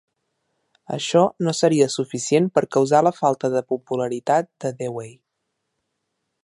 Això no seria suficient per causar la falta de popularitat de Dewey.